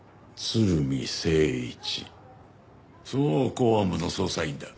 公安部の捜査員だ。